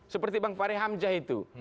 seperti bang fahri hamzah itu